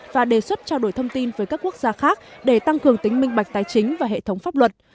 và đề xuất trao đổi thông tin với các quốc gia khác để tăng cường tính minh bạch tài chính và hệ thống pháp luật